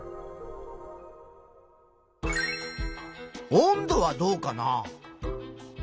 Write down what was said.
温度はどうかな？